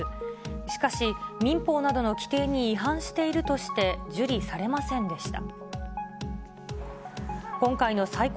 しかし、民法などの規定に違反しているとして、受理されませんでした。